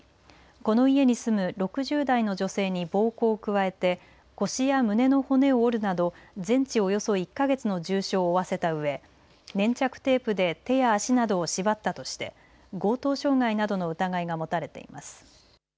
この家に住む６０代の女性に暴行を加えて腰や胸の骨を折るなど全治およそ１か月の重傷を負わせたうえ粘着テープで手や足などを縛ったとして強盗傷害などの疑いが持たれています。